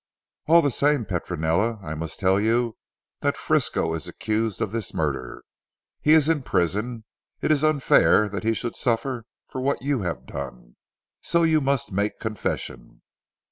"All the same Petronella I must tell you that Frisco is accused of this murder. He is in prison. It is unfair that he should suffer for what you have done, so you must make confession."